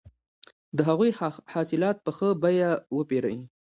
د هغوی حاصلات په ښه بیه وپېرئ.